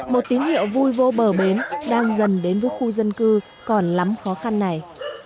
một tín hiệu vui vô bờ bến đang dần đến với khu dân cư còn lắm khó khăn này